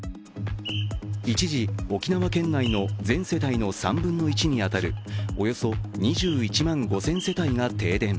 一時、沖縄県内の全世帯の３分の１に当たるおよそ２１万５０００世帯が停電。